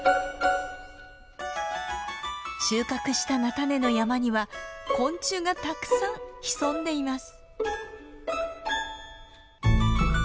収穫した菜種の山には昆虫がたくさん潜んでいます。